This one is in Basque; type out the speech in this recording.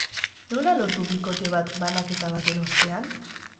Nola lortu bikote bat banaketa baten ostean?